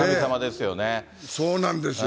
そうなんですよ。